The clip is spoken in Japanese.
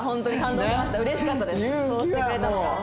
そうしてくれたのが。